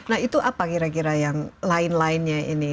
nah itu apa kira kira yang lain lainnya ini